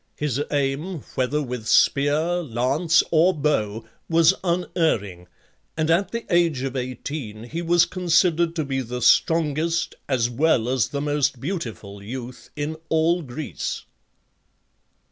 His aim, whether with spear, lance, or bow, was unerring, and at the age of eighteen he was considered to be the strongest as well as the most beautiful youth in all Greece.